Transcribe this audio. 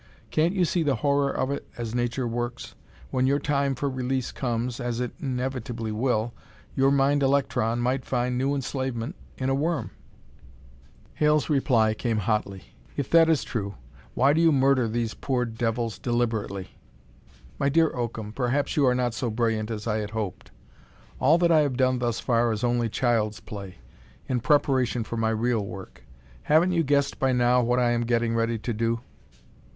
Can't you see the horror of it as nature works? When your time for release comes, as it inevitably will, your mind electron might find new enslavement in a worm!" Hale's reply came hotly. "If that is true, why do you murder these poor devils deliberately!" "My dear Oakham, perhaps you are not so brilliant as I had hoped! All that I have done thus far is only child's play, in preparation for my real work. Haven't you guessed by now what I am getting ready to do?"